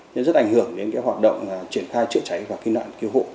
nên rất ảnh hưởng đến hoạt động triển khai chữa cháy và kinh đoàn cứu hộ